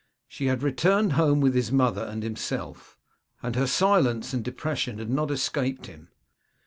She had returned home with his mother and himself, and her silence and depression had not escaped him.